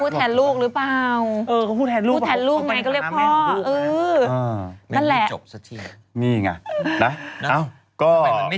เขาก็อาจจะพูดแทนลูกหรือเปล่า